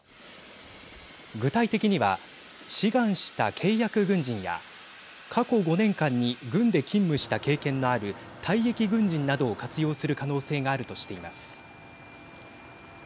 具体的には、志願した契約軍人や過去５年間に軍で勤務した経験のある退役軍人などを活用する可能性があるとしています。